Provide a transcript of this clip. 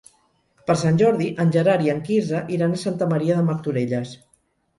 Per Sant Jordi en Gerard i en Quirze iran a Santa Maria de Martorelles.